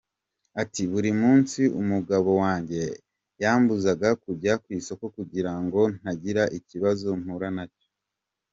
Ati “Buri munsi umugabo wanjye yambuzaga kujya ku isoko kugira ntagira ikibazo mpura nacyo.